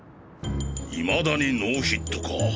未だにノーヒットか。